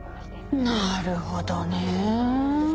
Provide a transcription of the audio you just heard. なるほどね。